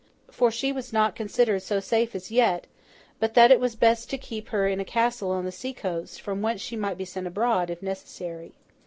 For, she was not considered so safe as yet, but that it was best to keep her in a castle on the sea coast, from whence she might be sent abroad, if necessary.